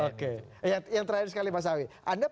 oke yang terakhir sekali pak sawi